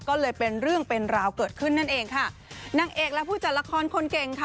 ก็เลยเป็นเรื่องเป็นราวเกิดขึ้นนั่นเองค่ะนางเอกและผู้จัดละครคนเก่งค่ะ